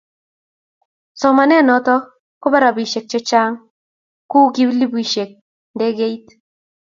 somanet noto koba robishek chechang ku kipulishekab ndegeit